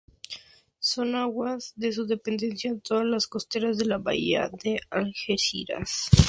Son aguas de su dependencia todas las costeras de la bahía de Algeciras